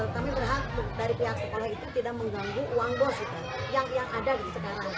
kami berhak dari pihak sekolah itu tidak mengganggu uang bos yang ada sekarang